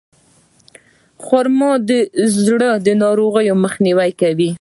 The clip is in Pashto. خرما د زړه د ناروغیو مخنیوی کوي.